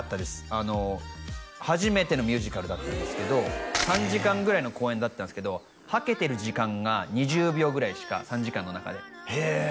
あの初めてのミュージカルだったんですけど３時間ぐらいの公演だったんすけどはけてる時間が２０秒ぐらいしか３時間の中でへえっ！？